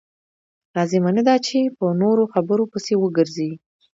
لازمه نه ده چې په نورو خبرو پسې وګرځئ.